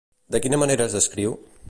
De quina manera es descriu?